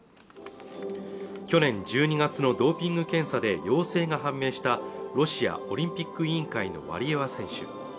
去年１２月のドーピング検査で陽性が判明したロシアオリンピック委員会のワリエワ選手